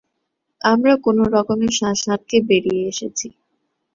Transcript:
আমরা কোন রকমে শ্বাস আটকে বেরিয়ে এসেছি।